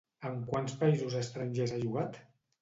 En quants països estrangers ha jugat?